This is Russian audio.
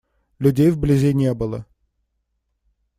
Людей вблизи не было.